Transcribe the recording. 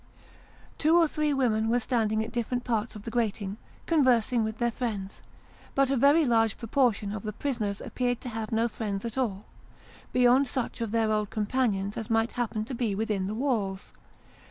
Two or three women were standing at different parts of the grating, conversing with their friends, but a very large proportion of the prisoners appeared to have no friends at all, beyond such of their old companions as might happen to be within the walls.